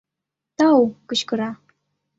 — Тау! — кычкыра.